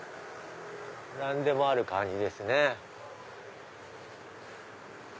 何でもある感じですね。